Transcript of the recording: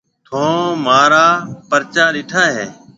ٿون مھارا پرچا ڏيٺا ھيََََ۔